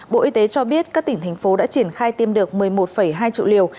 bộ y tế cho biết các tỉnh thành phố đã triển khai tiêm được một mươi một hai triệu liều